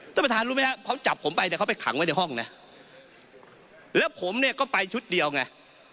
ท่านประธานรู้ไหมครับเขาจับผมไปแต่เขาไปขังไว้ในห้องนะแล้วผมเนี่ยก็ไปชุดเดียวไง